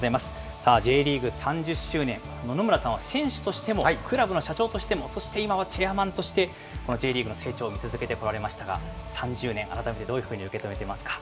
さあ、Ｊリーグ３０周年、野々村さんは選手としても、クラブの社長としても、そして今はチェアマンとしてこのＪリーグの成長を見続けてこられましたが、３０年、改めてどういうふうに受け止めています